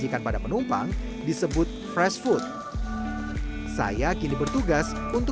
orang tadi sudah berada di sini tadi